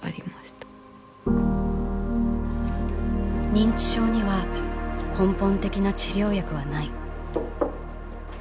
「認知症には根本的な治療薬はない」。